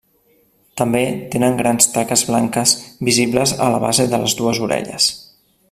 També tenen grans taques blanques, visibles a la base de les dues orelles.